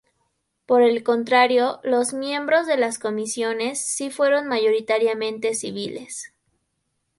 Por el contrario, los miembros de las comisiones sí fueron mayoritariamente civiles.